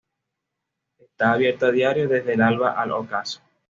Está abierto a diario desde el alba al ocaso.